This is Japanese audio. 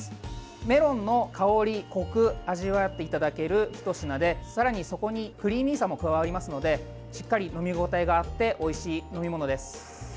メロンの香り、こくを味わっていだけるひと品でさらに、そこにクリーミーさも加わりますのでしっかり飲み応えがあっておいしい飲み物です。